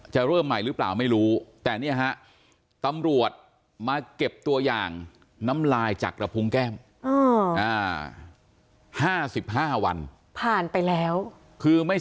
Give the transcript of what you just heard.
จะเริ่มใหม่หรือเปล่าไม่รู้แต่เนี่ยฮะตำรวจมาเก็บตัวอย่างน้ำลายจากระพุงแก้ม